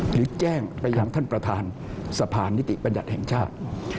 หรือแจ้งไปยังท่านประธานสะพานนิติบัญญัติแห่งชาติ